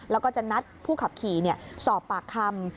แล้วก็จะนัดผู้ขับขี่สอบปากคำ